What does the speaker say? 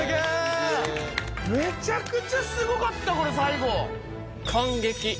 めちゃくちゃすごかったこれ最後感激